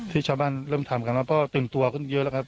ที่ชาวบ้านเริ่มทำกันว่าพ่อตื่นตัวขึ้นเยอะแล้วครับ